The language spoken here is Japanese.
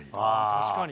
確かに。